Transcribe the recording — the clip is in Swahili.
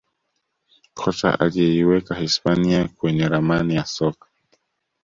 Kocha aliyeiweka hispania kwenye ramani ya soka